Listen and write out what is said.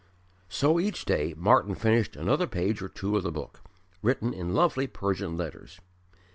So each day Martyn finished another page or two of the book, written in lovely Persian letters.